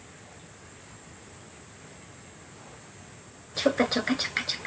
ちょっかちょっかちょっかちょっか。